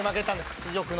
屈辱の。